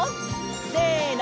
せの！